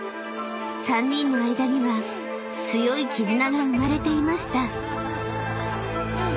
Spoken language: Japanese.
［３人の間には強い絆が生まれていました］